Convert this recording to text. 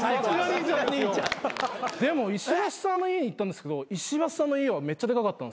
でも石橋さんの家に行ったんですけど石橋さんの家はめっちゃでかかったんですよ。